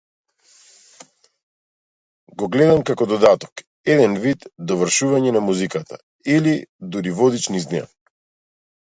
Го гледам како додаток, еден вид довршување на музиката, или дури водич низ неа.